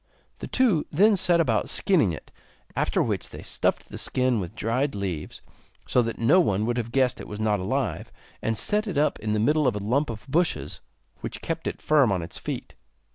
The two then set about skinning it, after which they stuffed the skin with dried leaves, so that no one would have guessed it was not alive, and set it up in the middle of a lump of bushes, which kept it firm on its feet.